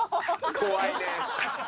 怖いね。